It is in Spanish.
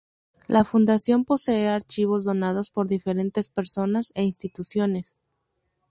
La fundación posee archivos donados por diferentes personas e instituciones.